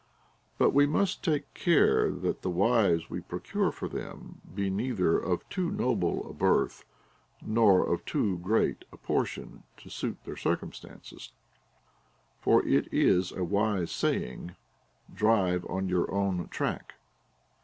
But we must take care that the wives we procure for them be neither of too noble a birth nor of too great a portion to suit their circumstances ; for it is a wise saying, drive on your own track.